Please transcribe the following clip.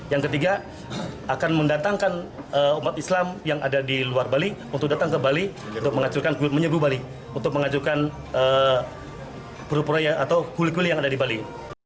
yang ketiga akan mendatangkan umat islam yang ada di luar bali untuk datang ke bali untuk menghancurkan kuil kuil yang ada di bali